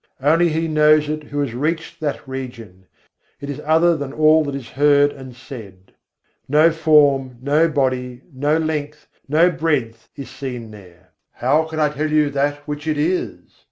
Only he knows it who has reached that region: it is other than all that is heard and said. No form, no body, no length, no breadth is seen there: how can I tell you that which it is?